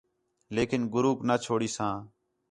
لیکن گُروک نہ چُھڑیساں